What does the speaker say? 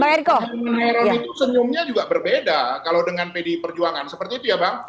karena eron itu senyumnya juga berbeda kalau dengan pdi perjuangan seperti itu ya bang